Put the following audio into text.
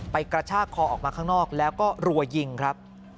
กระชากคอออกมาข้างนอกแล้วก็รัวยิงครับ